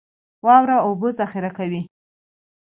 واوره اوبه ذخیره کوي